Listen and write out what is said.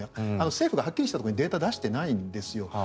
政府がはっきりしたデータを出していないんですよ。